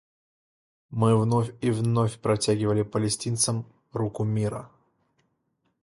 Мы вновь и вновь протягивали палестинцам руку мира.